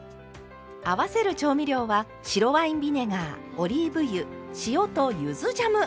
合わせる調味料は白ワインビネガーオリーブ油塩とゆずジャム！